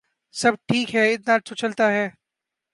سب ٹھیک ہے ، اتنا تو چلتا ہے ۔